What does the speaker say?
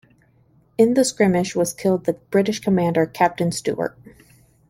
In the skirmish was killed the British commander, Captain Stewart.